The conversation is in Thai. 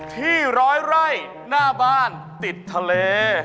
ที่ร้อยไร่หน้าบ้านติดทะเล